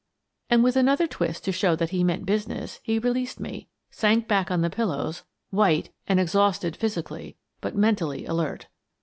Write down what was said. And, with another twist to show that he meant business, he released me, and sank back on the pil lows, white and exhausted physically, but mentally alert.